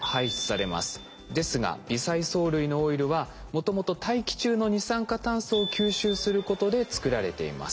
ですが微細藻類のオイルはもともと大気中の二酸化炭素を吸収することで作られています。